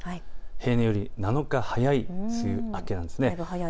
平年より７日早い梅雨明けなんです。